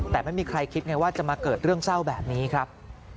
แต่ไม่มีใครคิดไงว่าจะมาเกิดเรื่องเศร้าแบบนี้ครับ